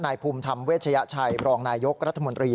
นายภูมิทำเวชยะชัยรองนายยกรัฐมนตรี